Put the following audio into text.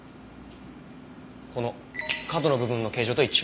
この角の部分の形状と一致しました。